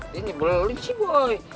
dia nyebelin sih boy